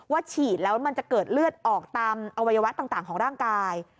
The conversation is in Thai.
ฉีดแล้วมันจะเกิดเลือดออกตามอวัยวะต่างของร่างกาย